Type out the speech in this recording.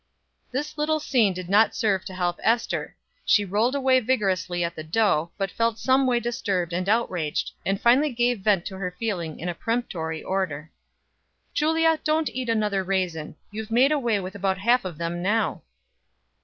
This little scene did not serve to help Ester; she rolled away vigorously at the dough, but felt some way disturbed and outraged, and finally gave vent to her feeling in a peremptory order. "Julia, don't eat another raisin; you've made away with about half of them now."